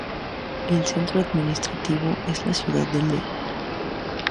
El centro administrativo es la ciudad de Leh.